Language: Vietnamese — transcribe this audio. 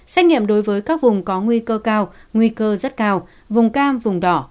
xét nghiệm đối với các vùng có nguy cơ cao nguy cơ rất cao vùng cam vùng đỏ